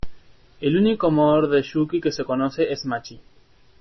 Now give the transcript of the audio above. El único amor de Yuki que se conoce es Machi.